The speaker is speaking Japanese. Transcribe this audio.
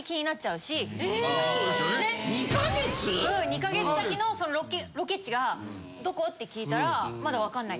２か月先のロケ地がどこ？って聞いたらまだわかんない。